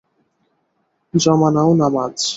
জমা নাও নামাজ।